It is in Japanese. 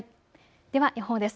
では予報です。